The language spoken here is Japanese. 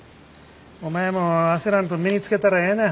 お前も焦らんと身につけたらええねん。